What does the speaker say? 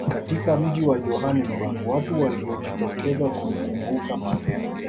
katika Mji wa Johannesburg watu waliojitokeza kumkumbuka Mandela